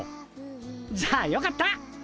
じゃあよかった！